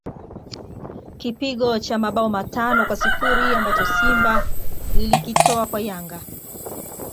Kipigo cha mabao matano kwa sifuri ambacho Simba ilikitoa kwa Yanga